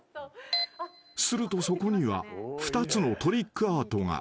［するとそこには２つのトリックアートが］